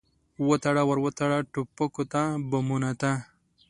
وتړه، ور وتړه ټوپکو ته، بمونو ته